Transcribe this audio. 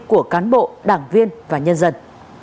của cán bộ đảng viên và nhân dân